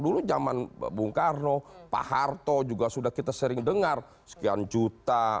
dulu zaman bung karno pak harto juga sudah kita sering dengar sekian juta lahan gambut dan sebagainya